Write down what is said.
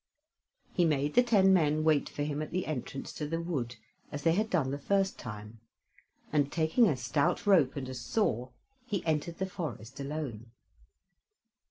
He made the ten men wait for him at the entrance to the wood as they had done the first time, and taking a stout rope and a saw he entered the forest alone.